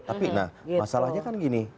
tapi nah masalahnya kan gini